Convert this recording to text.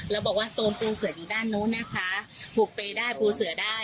แล้วบอกว่าโซนปูเสืออยู่ด้านนู้นนะคะบุกไปได้ปูเสือได้